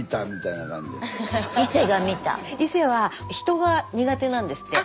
「いせ」は人が苦手なんですって。